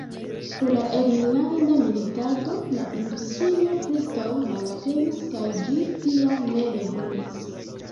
Pro la enlanda militado la industrio preskaŭ malaperis kaj ĝis tiam ne revenis.